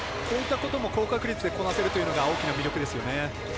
こういったことも高確率でこなせるというのが大きな魅力ですね。